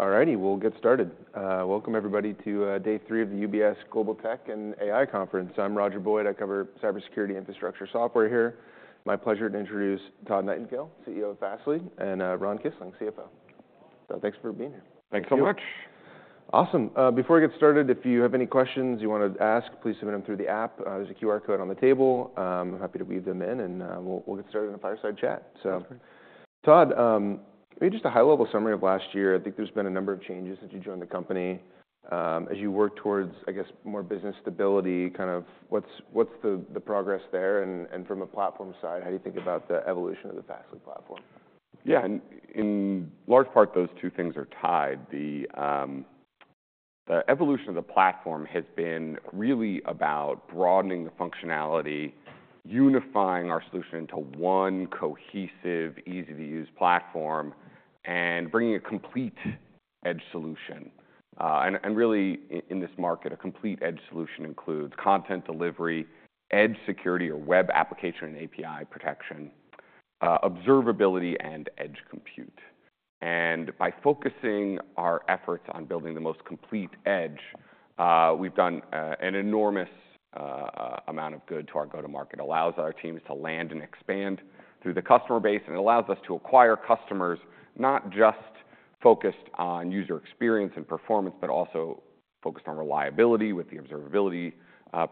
All righty, we'll get started. Welcome, everybody, to day three of the UBS Global Tech and AI conference. I'm Roger Boyd. I cover cybersecurity infrastructure software here. My pleasure to introduce Todd Nightingale, CEO of Fastly, and Ron Kisling, CFO. So thanks for being here. Thanks so much. Awesome. Before we get started, if you have any questions you want to ask, please submit them through the app. There's a QR code on the table. I'm happy to weave them in, and we'll get started in a fireside chat. So Todd, maybe just a high-level summary of last year. I think there's been a number of changes since you joined the company. As you work towards, I guess, more business stability, kind of what's the progress there? And from a platform side, how do you think about the evolution of the Fastly platform? Yeah, in large part, those two things are tied. The evolution of the platform has been really about broadening the functionality, unifying our solution into one cohesive, easy-to-use platform, and bringing a complete edge solution. And really, in this market, a complete edge solution includes content delivery, edge security, or web application and API protection, observability, and edge compute. And by focusing our efforts on building the most complete edge, we've done an enormous amount of good to our go-to-market. It allows our teams to land and expand through the customer base, and it allows us to acquire customers not just focused on user experience and performance, but also focused on reliability with the observability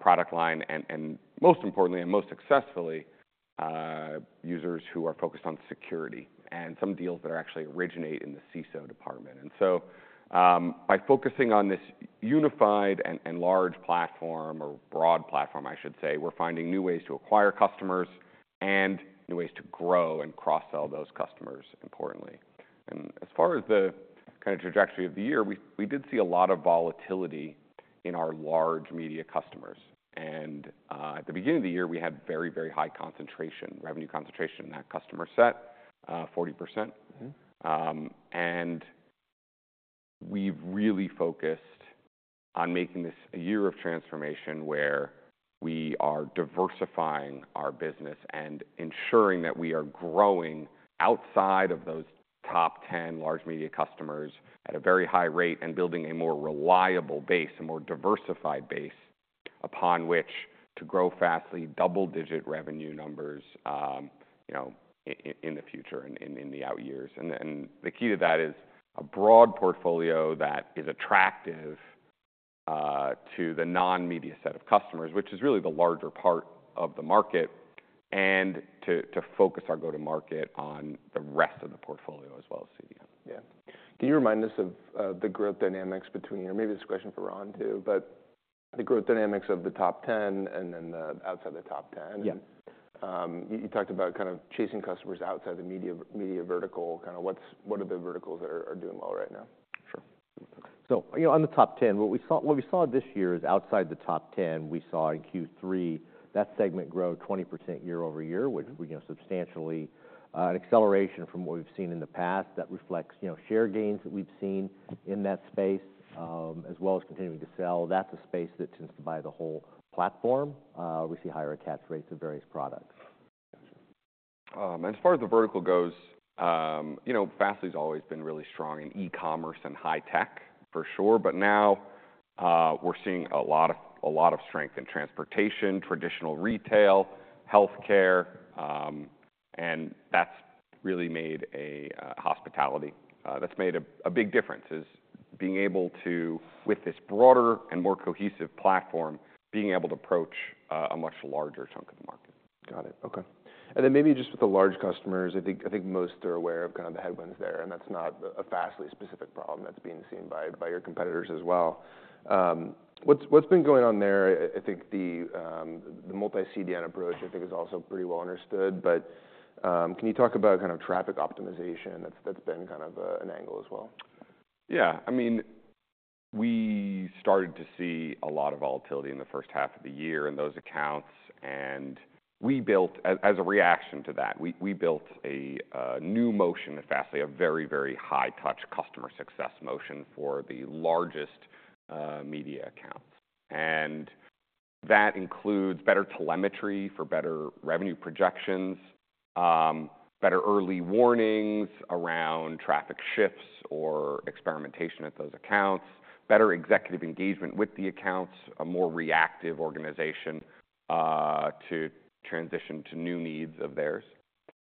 product line, and most importantly, and most successfully, users who are focused on security and some deals that actually originate in the CISO department. And so by focusing on this unified and large platform, or broad platform, I should say, we're finding new ways to acquire customers and new ways to grow and cross-sell those customers, importantly. And as far as the kind of trajectory of the year, we did see a lot of volatility in our large media customers. And at the beginning of the year, we had very, very high concentration, revenue concentration in that customer set, 40%. And we've really focused on making this a year of transformation where we are diversifying our business and ensuring that we are growing outside of those top 10 large media customers at a very high rate and building a more reliable base, a more diversified base upon which to grow Fastly, double-digit revenue numbers in the future and in the out years. And the key to that is a broad portfolio that is attractive to the non-media set of customers, which is really the larger part of the market, and to focus our go-to-market on the rest of the portfolio as well, CDN. Yeah. Can you remind us of the growth dynamics between, or maybe this is a question for Ron, too, but the growth dynamics of the top 10 and then outside the top 10? Yeah. You talked about kind of chasing customers outside the media vertical. Kind of what are the verticals that are doing well right now? Sure. So on the top 10, what we saw this year is outside the top 10, we saw in Q3 that segment grow 20% year over year, which was substantially an acceleration from what we've seen in the past. That reflects share gains that we've seen in that space, as well as continuing to sell. That's a space that tends to buy the whole platform. We see higher attach rates of various products. Gotcha. As far as the vertical goes, Fastly has always been really strong in e-commerce and high tech, for sure. But now we're seeing a lot of strength in transportation, traditional retail, healthcare, and hospitality. That's made a big difference, being able to, with this broader and more cohesive platform, being able to approach a much larger chunk of the market. Got it. Okay. And then maybe just with the large customers, I think most are aware of kind of the headwinds there, and that's not a Fastly-specific problem that's being seen by your competitors as well. What's been going on there? I think the multi-CDN approach, I think, is also pretty well understood. But can you talk about kind of traffic optimization? That's been kind of an angle as well. Yeah. I mean, we started to see a lot of volatility in the first half of the year in those accounts. And as a reaction to that, we built a new motion at Fastly, a very, very high-touch customer success motion for the largest media accounts. And that includes better telemetry for better revenue projections, better early warnings around traffic shifts or experimentation at those accounts, better executive engagement with the accounts, a more reactive organization to transition to new needs of theirs.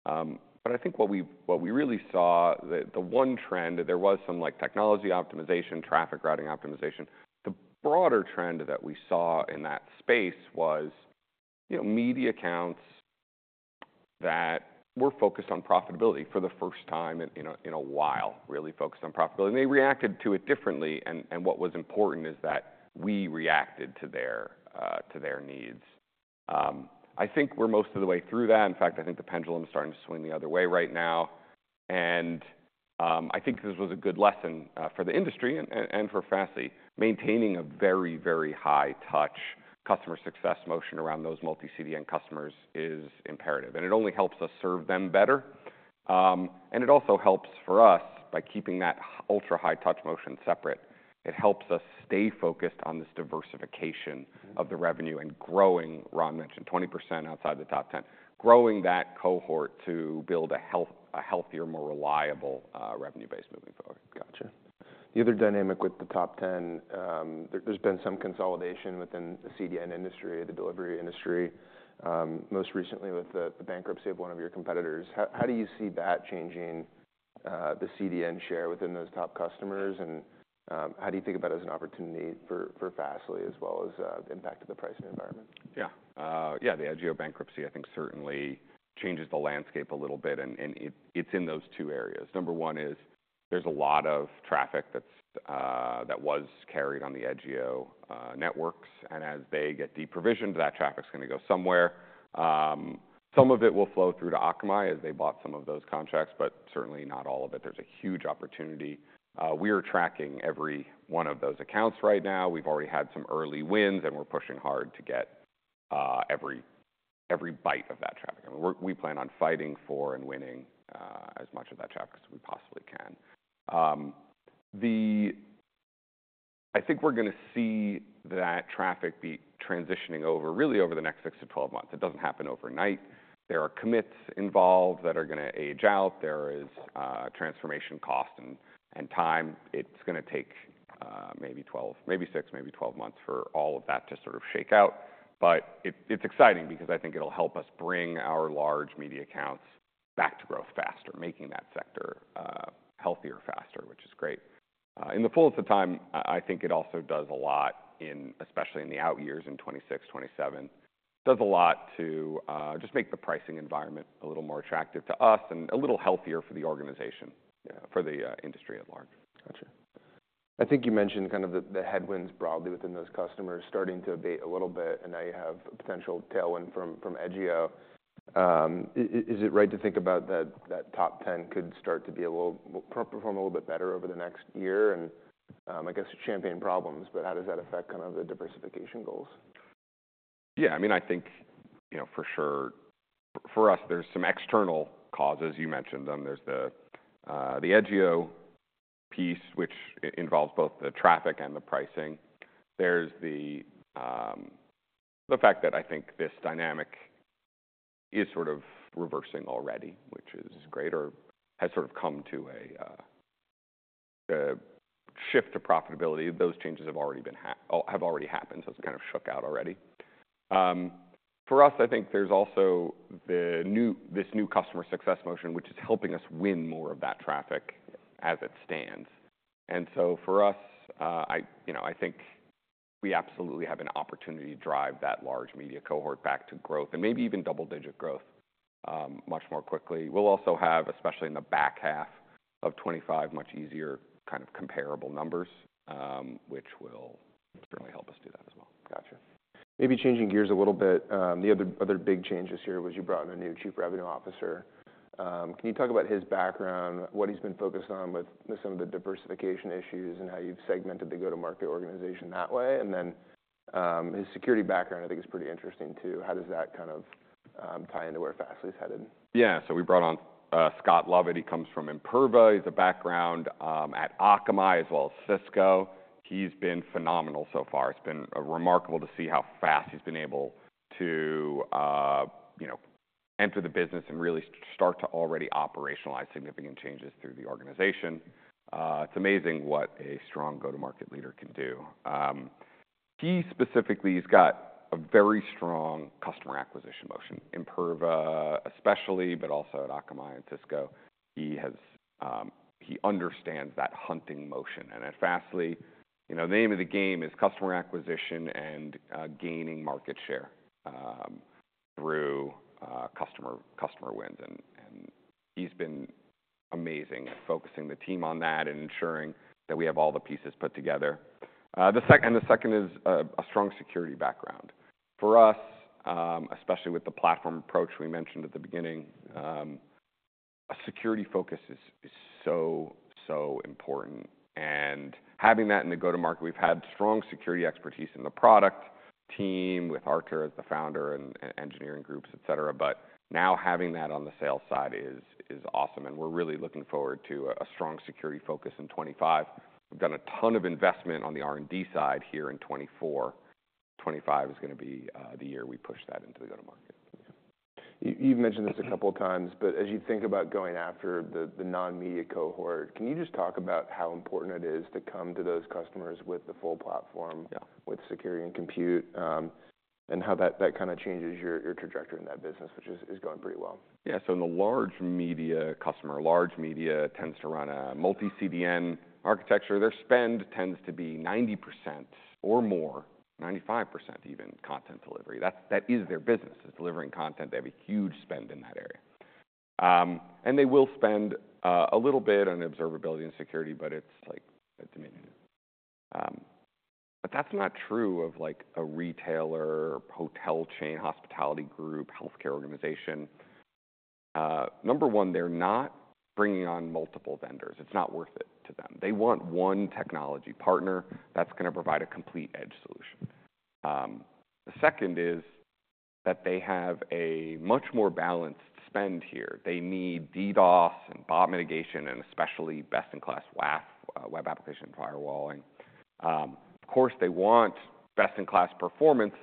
But I think what we really saw, the one trend, there was some technology optimization, traffic routing optimization. The broader trend that we saw in that space was media accounts that were focused on profitability for the first time in a while, really focused on profitability. And they reacted to it differently. And what was important is that we reacted to their needs. I think we're most of the way through that. In fact, I think the pendulum is starting to swing the other way right now, and I think this was a good lesson for the industry and for Fastly. Maintaining a very, very high-touch customer success motion around those multi-CDN customers is imperative, and it only helps us serve them better, and it also helps for us by keeping that ultra-high-touch motion separate. It helps us stay focused on this diversification of the revenue and growing, Ron mentioned, 20% outside the top 10, growing that cohort to build a healthier, more reliable revenue base moving forward. Gotcha. The other dynamic with the top 10, there's been some consolidation within the CDN industry, the delivery industry, most recently with the bankruptcy of one of your competitors. How do you see that changing the CDN share within those top customers? And how do you think about it as an opportunity for Fastly, as well as the impact of the pricing environment? Yeah. Yeah, the Edgio bankruptcy, I think, certainly changes the landscape a little bit, and it's in those two areas. Number one is there's a lot of traffic that was carried on the Edgio networks, and as they get deprovisioned, that traffic's going to go somewhere. Some of it will flow through to Akamai as they bought some of those contracts, but certainly not all of it. There's a huge opportunity. We are tracking every one of those accounts right now. We've already had some early wins, and we're pushing hard to get every bite of that traffic. We plan on fighting for and winning as much of that traffic as we possibly can. I think we're going to see that traffic be transitioning over really over the next six to 12 months. It doesn't happen overnight. There are commits involved that are going to age out. There is transformation cost and time. It's going to take maybe six, maybe 12 months for all of that to sort of shake out. But it's exciting because I think it'll help us bring our large media accounts back to growth faster, making that sector healthier faster, which is great. In the fullest of time, I think it also does a lot, especially in the out years in 2026, 2027, does a lot to just make the pricing environment a little more attractive to us and a little healthier for the organization, for the industry at large. Gotcha. I think you mentioned kind of the headwinds broadly within those customers starting to abate a little bit, and now you have a potential tailwind from Edgio. Is it right to think about that top 10 could start to perform a little bit better over the next year? And I guess champagne problems, but how does that affect kind of the diversification goals? Yeah. I mean, I think for sure, for us, there's some external causes you mentioned. There's the Edgio piece, which involves both the traffic and the pricing. There's the fact that I think this dynamic is sort of reversing already, which is great, or has sort of come to a shift to profitability. Those changes have already happened, so it's kind of shook out already. For us, I think there's also this new customer success motion, which is helping us win more of that traffic as it stands. And so for us, I think we absolutely have an opportunity to drive that large media cohort back to growth and maybe even double-digit growth much more quickly. We'll also have, especially in the back half of 2025, much easier kind of comparable numbers, which will certainly help us do that as well. Gotcha. Maybe changing gears a little bit, the other big changes here was you brought in a new Chief Revenue Officer. Can you talk about his background, what he's been focused on with some of the diversification issues, and how you've segmented the go-to-market organization that way? And then his security background, I think, is pretty interesting, too. How does that kind of tie into where Fastly is headed? Yeah. So we brought on Scott Lovett. He comes from Imperva. He has a background at Akamai as well as Cisco. He's been phenomenal so far. It's been remarkable to see how fast he's been able to enter the business and really start to already operationalize significant changes through the organization. It's amazing what a strong go-to-market leader can do. He specifically, he's got a very strong customer acquisition motion, Imperva especially, but also at Akamai and Cisco. He understands that hunting motion. And at Fastly, the name of the game is customer acquisition and gaining market share through customer wins. And he's been amazing at focusing the team on that and ensuring that we have all the pieces put together. And the second is a strong security background. For us, especially with the platform approach we mentioned at the beginning, a security focus is so, so important. And having that in the go-to-market, we've had strong security expertise in the product team with Artur as the founder and engineering groups, et cetera. But now having that on the sales side is awesome. And we're really looking forward to a strong security focus in 2025. We've done a ton of investment on the R&D side here in 2024. 2025 is going to be the year we push that into the go-to-market. You've mentioned this a couple of times, but as you think about going after the non-media cohort, can you just talk about how important it is to come to those customers with the full platform, with security and compute, and how that kind of changes your trajectory in that business, which is going pretty well? Yeah. So in the large media customer, large media tends to run a multi-CDN architecture. Their spend tends to be 90% or more, 95% even, content delivery. That is their business, is delivering content. They have a huge spend in that area. And they will spend a little bit on observability and security, but it's like a diminutive. But that's not true of a retailer, hotel chain, hospitality group, healthcare organization. Number one, they're not bringing on multiple vendors. It's not worth it to them. They want one technology partner that's going to provide a complete edge solution. The second is that they have a much more balanced spend here. They need DDoS and bot mitigation, and especially best-in-class WAF, web application firewall. Of course, they want best-in-class performance,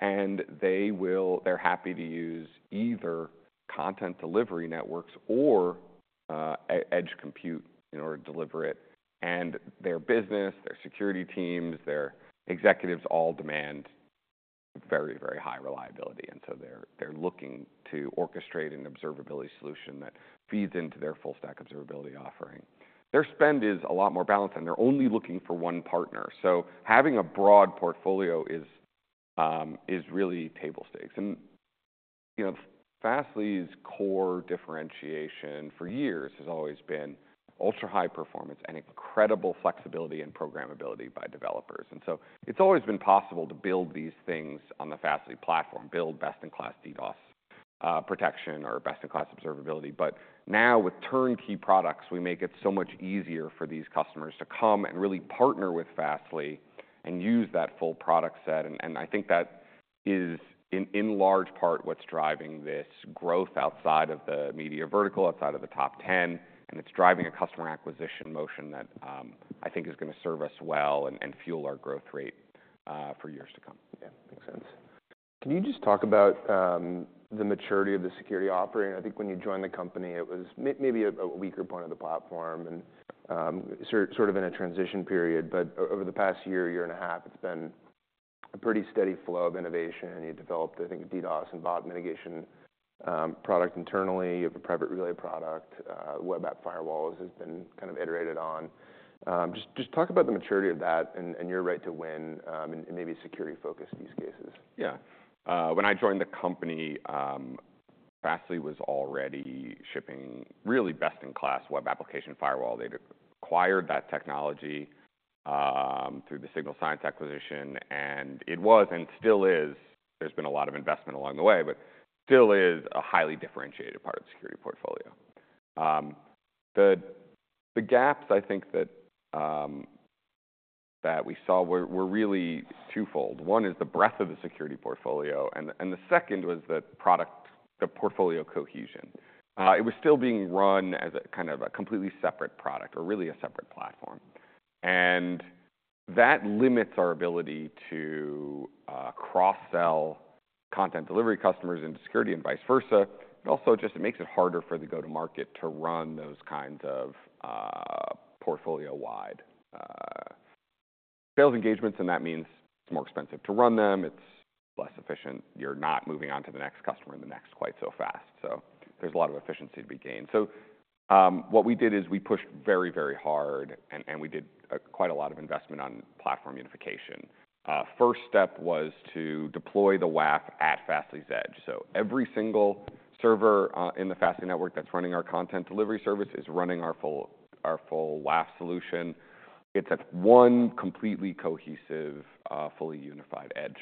and they're happy to use either content delivery networks or edge compute in order to deliver it. Their business, their security teams, their executives all demand very, very high reliability. They're looking to orchestrate an observability solution that feeds into their full-stack observability offering. Their spend is a lot more balanced, and they're only looking for one partner. Having a broad portfolio is really table stakes. Fastly's core differentiation for years has always been ultra-high performance and incredible flexibility and programmability by developers. It's always been possible to build these things on the Fastly platform, build best-in-class DDoS protection or best-in-class observability. Now with turnkey products, we make it so much easier for these customers to come and really partner with Fastly and use that full product set. I think that is in large part what's driving this growth outside of the media vertical, outside of the top 10. It's driving a customer acquisition motion that I think is going to serve us well and fuel our growth rate for years to come. Yeah. Makes sense. Can you just talk about the maturity of the security offering? I think when you joined the company, it was maybe a weaker point of the platform and sort of in a transition period. But over the past year, year and a half, it's been a pretty steady flow of innovation. You developed, I think, a DDoS and bot mitigation product internally. You have a private relay product. Web App Firewalls has been kind of iterated on. Just talk about the maturity of that and your right to win and maybe security focus in these cases. Yeah. When I joined the company, Fastly was already shipping really best-in-class Web Application Firewall. They'd acquired that technology through the Signal Sciences acquisition. And it was and still is. There's been a lot of investment along the way, but still is a highly differentiated part of the security portfolio. The gaps, I think, that we saw were really twofold. One is the breadth of the security portfolio. And the second was the product, the portfolio cohesion. It was still being run as kind of a completely separate product or really a separate platform. And that limits our ability to cross-sell content delivery customers into security and vice versa. It also just makes it harder for the go-to-market to run those kinds of portfolio-wide sales engagements. And that means it's more expensive to run them. It's less efficient. You're not moving on to the next customer in the next quite so fast. So there's a lot of efficiency to be gained. So what we did is we pushed very, very hard, and we did quite a lot of investment on platform unification. First step was to deploy the WAF at Fastly's edge. So every single server in the Fastly network that's running our content delivery service is running our full WAF solution. It's one completely cohesive, fully unified edge.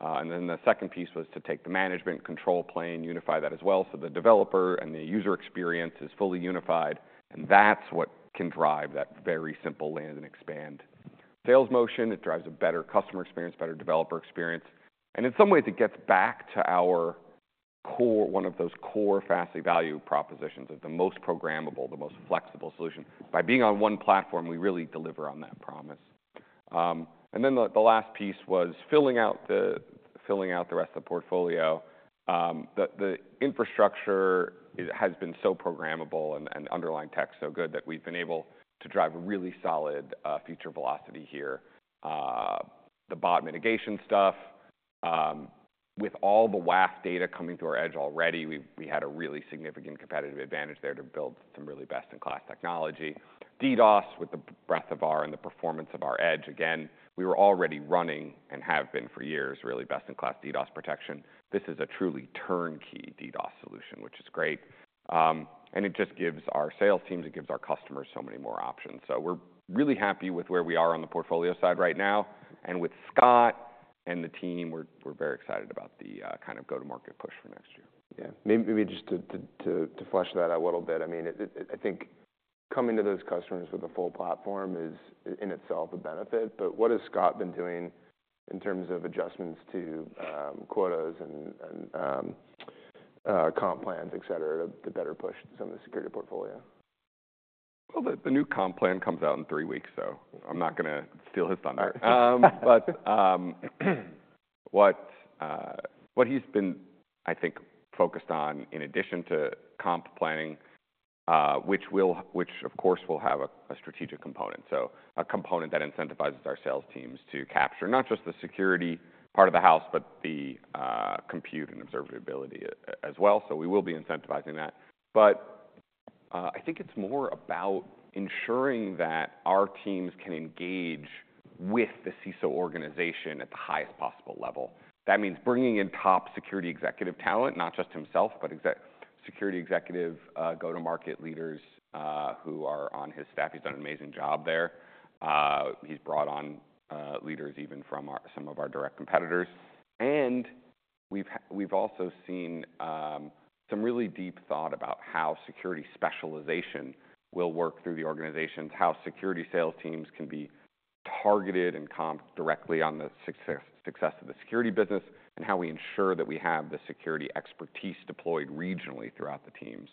And then the second piece was to take the management control plane, unify that as well. So the developer and the user experience is fully unified. And that's what can drive that very simple land and expand sales motion. It drives a better customer experience, better developer experience. And in some ways, it gets back to our core, one of those core Fastly value propositions of the most programmable, the most flexible solution. By being on one platform, we really deliver on that promise. And then the last piece was filling out the rest of the portfolio. The infrastructure has been so programmable and underlying tech so good that we've been able to drive a really solid feature velocity here. The bot mitigation stuff, with all the WAF data coming to our edge already, we had a really significant competitive advantage there to build some really best-in-class technology. DDoS with the breadth of our edge and the performance of our edge. Again, we were already running and have been for years really best-in-class DDoS protection. This is a truly turnkey DDoS solution, which is great. And it just gives our sales teams, it gives our customers so many more options. So we're really happy with where we are on the portfolio side right now. And with Scott and the team, we're very excited about the kind of go-to-market push for next year. Yeah. Maybe just to flesh that out a little bit. I mean, I think coming to those customers with a full platform is in itself a benefit. But what has Scott been doing in terms of adjustments to quotas and comp plans, et cetera, to better push some of the security portfolio? The new comp plan comes out in three weeks, so I'm not going to steal his thunder. What he's been, I think, focused on in addition to comp planning, which of course will have a strategic component, so a component that incentivizes our sales teams to capture not just the security part of the house, but the compute and observability as well. We will be incentivizing that. I think it's more about ensuring that our teams can engage with the CISO organization at the highest possible level. That means bringing in top security executive talent, not just himself, but security executive go-to-market leaders who are on his staff. He's done an amazing job there. He's brought on leaders even from some of our direct competitors. And we've also seen some really deep thought about how security specialization will work through the organizations, how security sales teams can be targeted and comp directly on the success of the security business, and how we ensure that we have the security expertise deployed regionally throughout the teams.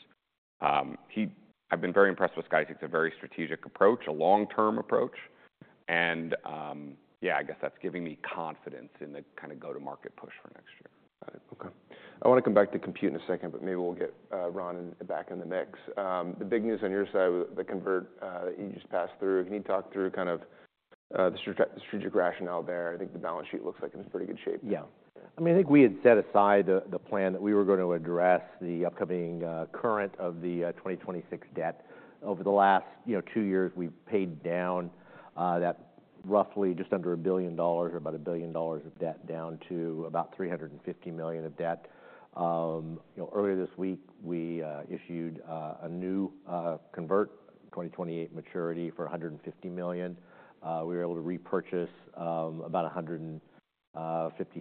I've been very impressed with Skysix. It's a very strategic approach, a long-term approach. And yeah, I guess that's giving me confidence in the kind of go-to-market push for next year. Got it. Okay. I want to come back to compute in a second, but maybe we'll get Ron back in the mix. The big news on your side, the conversion that you just passed through, can you talk through kind of the strategic rationale there? I think the balance sheet looks like it's in pretty good shape. Yeah. I mean, I think we had set aside the plan that we were going to address the upcoming current of the 2026 debt. Over the last two years, we've paid down that roughly just under $1 billion or about $1 billion of debt down to about $350 million of debt. Earlier this week, we issued a new convertible, 2028 maturity for $150 million. We were able to repurchase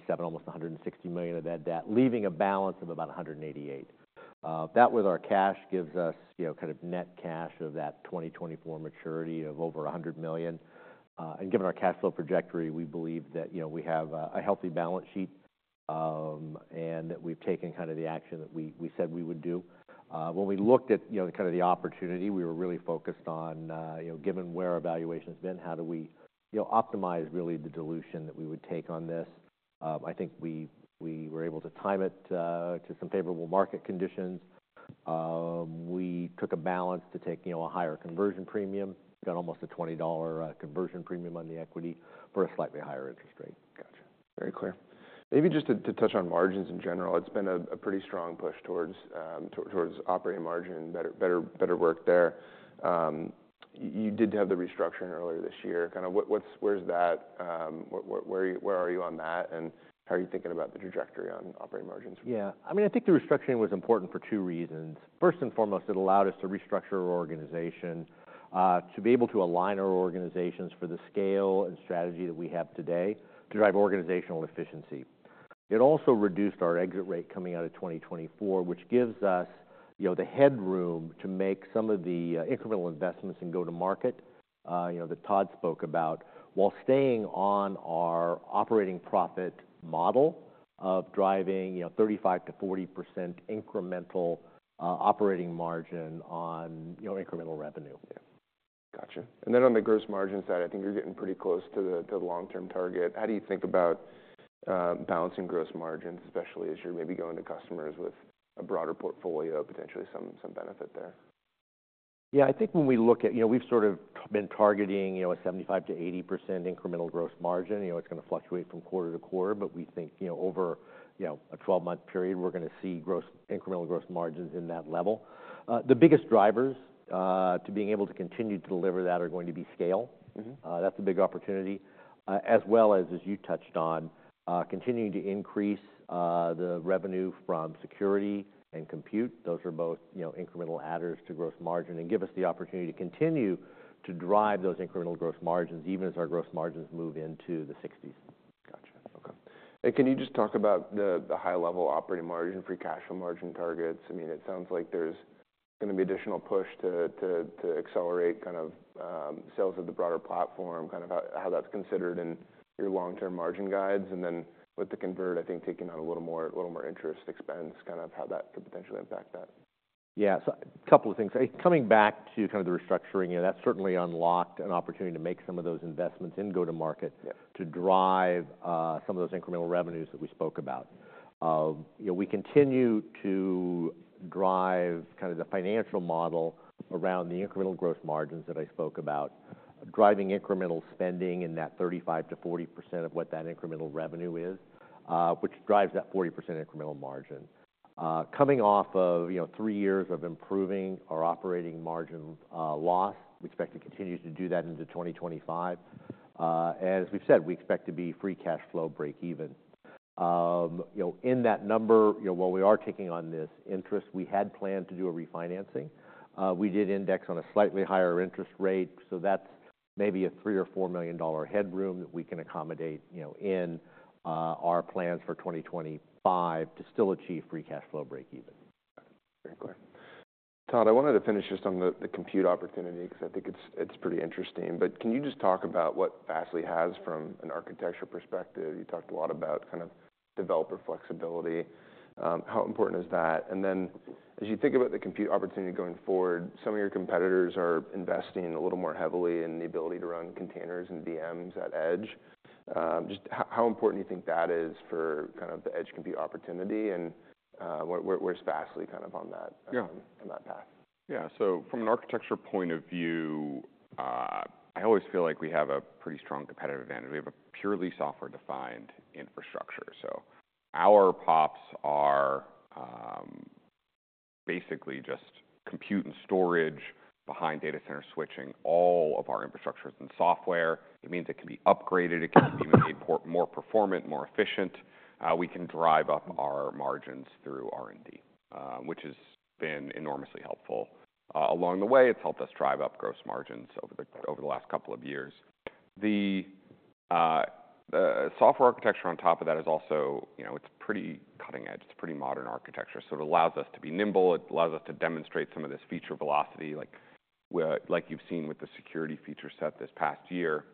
about $157 million, almost $160 million of that debt, leaving a balance of about $188 million. That with our cash gives us kind of net cash of that 2024 maturity of over $100 million. Given our cash flow trajectory, we believe that we have a healthy balance sheet and that we've taken kind of the action that we said we would do. When we looked at kind of the opportunity, we were really focused on, given where valuation has been, how do we optimize really the dilution that we would take on this? I think we were able to time it to some favorable market conditions. We struck a balance to take a higher conversion premium. We got almost a $20 conversion premium on the equity for a slightly higher interest rate. Gotcha. Very clear. Maybe just to touch on margins in general, it's been a pretty strong push towards operating margin, better work there. You did have the restructuring earlier this year. Kind of where's that? Where are you on that? And how are you thinking about the trajectory on operating margins? Yeah. I mean, I think the restructuring was important for two reasons. First and foremost, it allowed us to restructure our organization, to be able to align our organizations for the scale and strategy that we have today, to drive organizational efficiency. It also reduced our exit rate coming out of 2024, which gives us the headroom to make some of the incremental investments in go-to-market that Todd spoke about while staying on our operating profit model of driving 35%-40% incremental operating margin on incremental revenue. Gotcha. And then on the gross margin side, I think you're getting pretty close to the long-term target. How do you think about balancing gross margins, especially as you're maybe going to customers with a broader portfolio, potentially some benefit there? Yeah. I think when we look at, we've sort of been targeting a 75%-80% incremental gross margin. It's going to fluctuate from quarter to quarter, but we think over a 12-month period, we're going to see incremental gross margins in that level. The biggest drivers to being able to continue to deliver that are going to be scale. That's a big opportunity, as well as, as you touched on, continuing to increase the revenue from security and compute. Those are both incremental adders to gross margin and give us the opportunity to continue to drive those incremental gross margins even as our gross margins move into the 60s. Gotcha. Okay. And can you just talk about the high-level operating margin for cash flow margin targets? I mean, it sounds like there's going to be additional push to accelerate kind of sales of the broader platform, kind of how that's considered in your long-term margin guides. And then with the convert, I think taking on a little more interest expense, kind of how that could potentially impact that. Yeah. So a couple of things. Coming back to kind of the restructuring, that's certainly unlocked an opportunity to make some of those investments in go-to-market to drive some of those incremental revenues that we spoke about. We continue to drive kind of the financial model around the incremental gross margins that I spoke about, driving incremental spending in that 35%-40% of what that incremental revenue is, which drives that 40% incremental margin. Coming off of three years of improving our operating margin loss, we expect to continue to do that into 2025, and as we've said, we expect to be free cash flow break-even. In that number, while we are taking on this interest, we had planned to do a refinancing. We did index on a slightly higher interest rate. That's maybe a $3million-$4 million headroom that we can accommodate in our plans for 2025 to still achieve free cash flow break-even. Very clear. Todd, I wanted to finish just on the compute opportunity because I think it's pretty interesting. But can you just talk about what Fastly has from an architecture perspective? You talked a lot about kind of developer flexibility. How important is that? And then as you think about the compute opportunity going forward, some of your competitors are investing a little more heavily in the ability to run containers and VMs at edge. Just how important do you think that is for kind of the edge compute opportunity? And where's Fastly kind of on that path? Yeah. So from an architecture point of view, I always feel like we have a pretty strong competitive advantage. We have a purely software-defined infrastructure. So our POPs are basically just compute and storage behind data center switching, all of our infrastructures and software. It means it can be upgraded. It can be made more performant, more efficient. We can drive up our margins through R&D, which has been enormously helpful. Along the way, it's helped us drive up gross margins over the last couple of years. The software architecture on top of that is also, it's pretty cutting-edge. It's a pretty modern architecture. So it allows us to be nimble. It allows us to demonstrate some of this feature velocity, like you've seen with the security feature set this past year.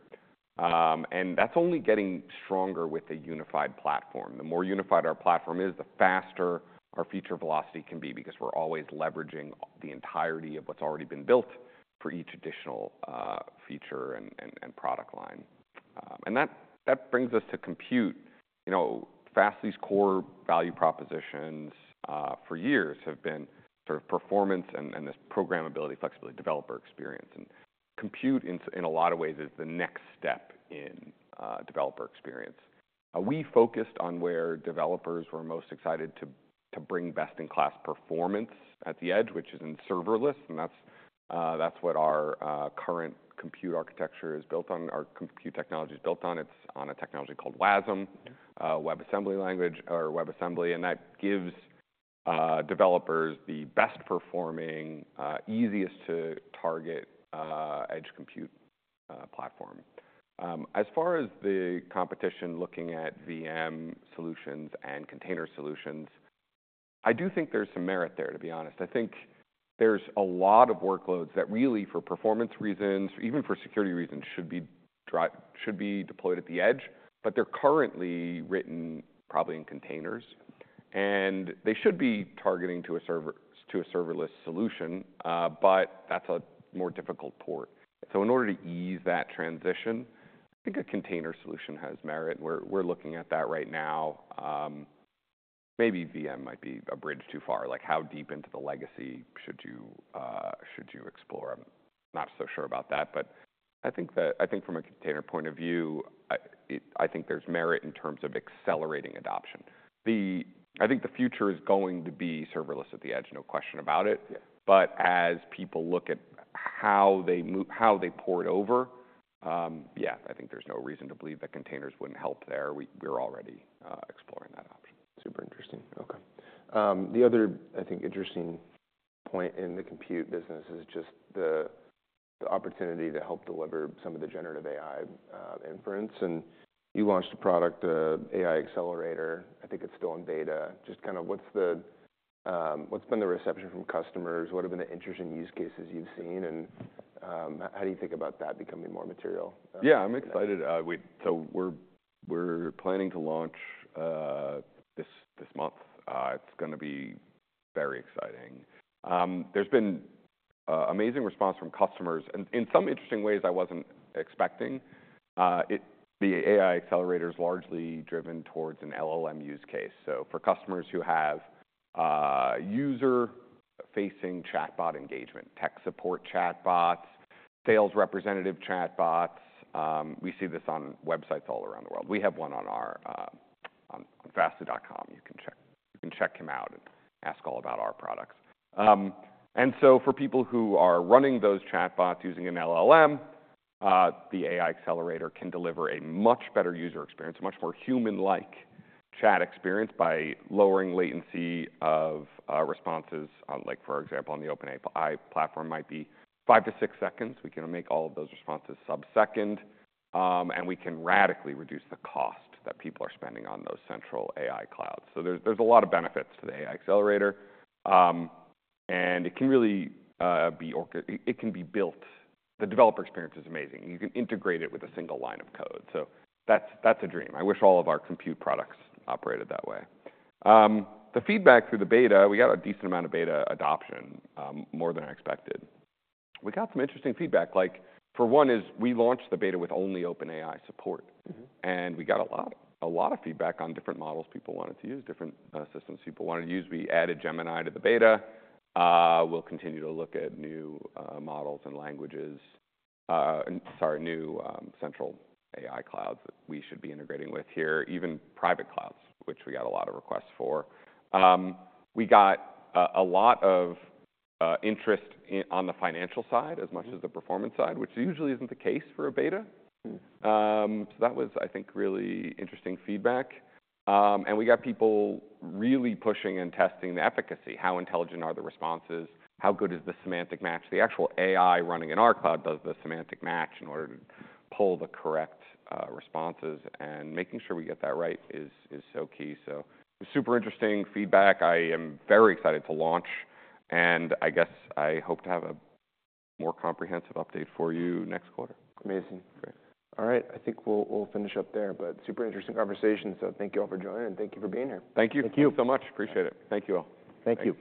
And that's only getting stronger with a unified platform. The more unified our platform is, the faster our feature velocity can be because we're always leveraging the entirety of what's already been built for each additional feature and product line, and that brings us to compute. Fastly's core value propositions for years have been sort of performance and this programmability, flexibility, developer experience, and compute in a lot of ways is the next step in developer experience. We focused on where developers were most excited to bring best-in-class performance at the edge, which is in serverless, and that's what our current compute architecture is built on. Our compute technology is built on. It's on a technology called WASM, WebAssembly. And that gives developers the best-performing, easiest-to-target edge compute platform. As far as the competition looking at VM solutions and container solutions, I do think there's some merit there, to be honest. I think there's a lot of workloads that really, for performance reasons, even for security reasons, should be deployed at the edge, but they're currently written probably in containers, and they should be targeting to a serverless solution, but that's a more difficult port, so in order to ease that transition, I think a container solution has merit. We're looking at that right now. Maybe VM might be a bridge too far. Like how deep into the legacy should you explore? I'm not so sure about that, but I think from a container point of view, I think there's merit in terms of accelerating adoption. I think the future is going to be serverless at the edge, no question about it, but as people look at how they port it over, yeah, I think there's no reason to believe that containers wouldn't help there. We're already exploring that option. Super interesting. Okay. The other, I think, interesting point in the compute business is just the opportunity to help deliver some of the generative AI inference. And you launched a product, AI Accelerator. I think it's still in beta. Just kind of, what's been the reception from customers? What have been the interesting use cases you've seen? And how do you think about that becoming more material? Yeah, I'm excited. So we're planning to launch this month. It's going to be very exciting. There's been amazing response from customers. In some interesting ways, I wasn't expecting. The AI Accelerator is largely driven towards an LLM use case. So for customers who have user-facing chatbot engagement, tech support chatbots, sales representative chatbots, we see this on websites all around the world. We have one on fastly.com. You can check him out and ask all about our products. And so for people who are running those chatbots using an LLM, the AI Accelerator can deliver a much better user experience, a much more human-like chat experience by lowering latency of responses. Like for example, on the OpenAI platform, it might be five to six seconds. We can make all of those responses sub-second. And we can radically reduce the cost that people are spending on those central AI clouds. So there's a lot of benefits to the AI Accelerator. And it can really be built. The developer experience is amazing. You can integrate it with a single line of code. So that's a dream. I wish all of our compute products operated that way. The feedback through the beta, we got a decent amount of beta adoption, more than I expected. We got some interesting feedback. Like for one, we launched the beta with only OpenAI support. And we got a lot of feedback on different models people wanted to use, different systems people wanted to use. We added Gemini to the beta. We'll continue to look at new models and languages, sorry, new central AI clouds that we should be integrating with here, even private clouds, which we got a lot of requests for. We got a lot of interest on the financial side as much as the performance side, which usually isn't the case for a beta. So that was, I think, really interesting feedback. And we got people really pushing and testing the efficacy. How intelligent are the responses? How good is the semantic match? The actual AI running in our cloud does the semantic match in order to pull the correct responses. And making sure we get that right is so key. So super interesting feedback. I am very excited to launch. And I guess I hope to have a more comprehensive update for you next quarter. Amazing. All right. I think we'll finish up there, but super interesting conversation. So thank you all for joining. And thank you for being here. Thank you. Thank you so much. Appreciate it. Thank you all. Thank you.